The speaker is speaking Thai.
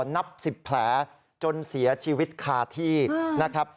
นับ๑๐แผลจนเสียชีวิตคาที่นะครับ